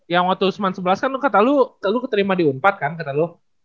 yang waktu sebelas kan lu kata lu keterima di unpad kan kata lu